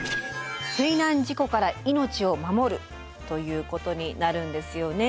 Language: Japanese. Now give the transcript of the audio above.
「水難事故から命を守る」ということになるんですよね。